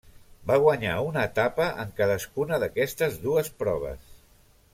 Va guanyar una etapa en cadascuna d'aquestes dues proves.